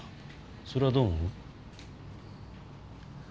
それはどう思う？